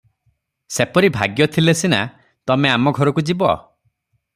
ସେପରି ଭାଗ୍ୟ ଥିଲେ ସିନା ତମେ ଆମ ଘରକୁ ଯିବ ।